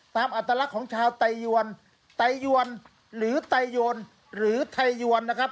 อัตลักษณ์ของชาวไตยวนไตยวนหรือไตยวนหรือไทยยวนนะครับ